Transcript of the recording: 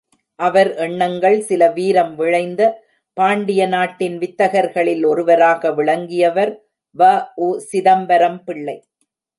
அவர் எண்ணங்கள் சில வீரம் விளைந்த பாண்டிய நாட்டின் வித்தகர்களில் ஒருவராக விளங்கியவர் வ.உ.சிதம்பரம் பிள்ளை.